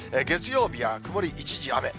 月曜日は曇り一時雨。